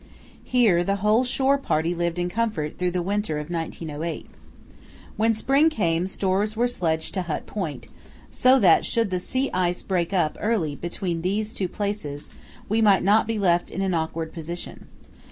Here the whole shore party lived in comfort through the winter of 1908. When spring came stores were sledged to Hut Point, so that should the sea ice break up early between these two places we might not be left in an awkward position.